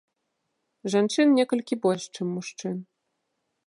Жанчын некалькі больш чым мужчын.